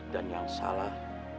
dan yang salah